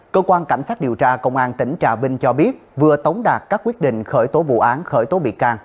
cơ quan cảnh sát điều tra công an tỉnh trà vinh cho biết vừa tống đạt các quyết định khởi tố vụ án khởi tố bị can